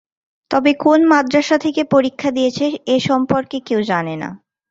তবে কোন মাদ্রাসা থেকে পরীক্ষা দিয়েছে এ সম্পর্কে কেউ জানে না।